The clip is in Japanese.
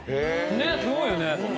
ねっ、すごいよね。